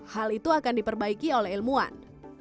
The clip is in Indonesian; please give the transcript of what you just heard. hal itu akan diperbaiki oleh ilmuwan